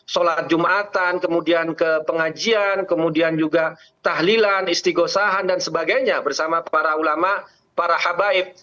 sholat jumatan kemudian ke pengajian kemudian juga tahlilan istiqosahan dan sebagainya bersama para ulama para habaib